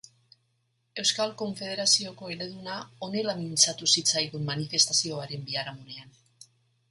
Euskal Konfederazioko eleduna honela mintzatu zitzaigun manifestazioaren biharamunean.